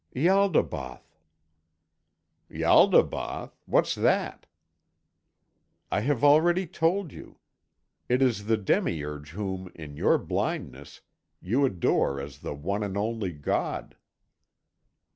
"Ialdabaoth." "Ialdabaoth. What's that?" "I have already told you. It is the demiurge whom, in your blindness, you adore as the one and only God."